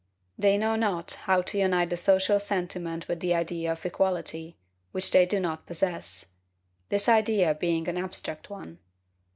They know not how to unite the social sentiment with the idea of equality, which they do not possess; this idea being an abstract one.